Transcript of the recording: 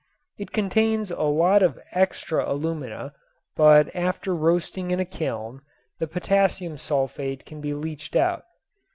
It contains a lot of extra alumina, but after roasting in a kiln the potassium sulfate can be leached out.